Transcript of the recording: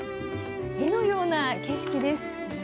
絵のような景色です。